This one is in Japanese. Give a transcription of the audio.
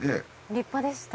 立派でした。